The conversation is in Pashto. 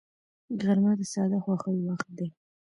غرمه د ساده خوښیو وخت دی